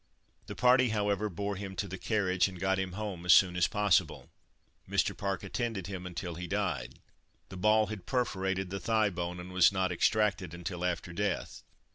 The party, however, bore him to the carriage, and got him home as soon as possible. Mr. Park attended him until he died. The ball had perforated the thigh bone, and was not extracted until after death.